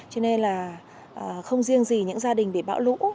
cho nên là không riêng gì những gia đình bị bão lũ